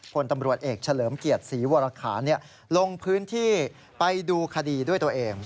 ผลตำรวจเอกเฉลิมเกียรติศรีวรคาลงพื้นที่ไปดูคดีด้วยตัวเอง